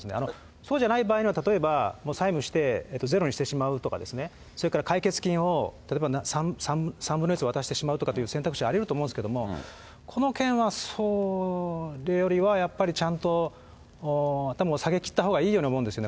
そうじゃない場合には、例えば、もう債務して、ゼロにしてしまうとかですね、それから解決金を、例えば３分の１とか渡してしまうとか、選択肢はありえると思うんですけども、この件は、それよりは、やっぱりちゃんと頭を下げきったほうがいいように思うんですよね。